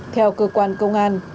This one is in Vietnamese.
theo cơ quan công an